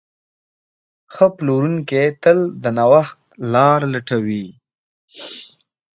ښه پلورونکی تل د نوښت لاره لټوي.